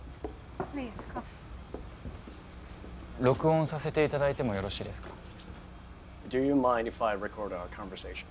録音させて頂いてもよろしいですか？